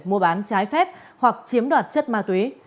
mua bán trái phép hoặc chiếm đoạt chất ma túy